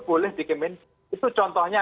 boleh dikemin itu contohnya